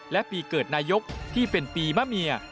และปีเกิดนายกที่เป็นปีมะเมีย